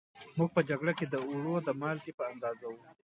موږ په جگړه کې د اوړو د مالگې په اندازه وو